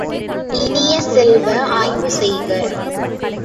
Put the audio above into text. இனிய செல்வ, ஆய்வு செய்க!